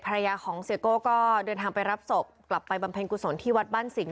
ภรรยาของเสียโก้ก็เดินทางไปรับศพกลับไปบำเพ็ญกุศลที่วัดบ้านสิงห